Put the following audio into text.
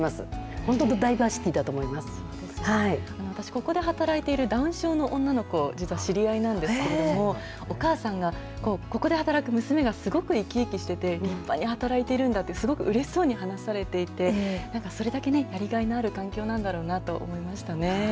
本当、私、ここで働いているダウン症の女の子、実は知り合いなんですけれども、お母さんがここで働く娘がすごく生き生きしてて、立派に働いているんだって、すごくうれしそうに話されていて、なんかそれだけね、やりがいのある環境なんだろうなと思いましたね。